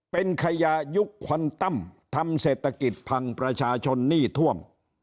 เป็นขยะยุคควันตั้มทำเศรษฐกิจพังประชาชนหนี้ท่วม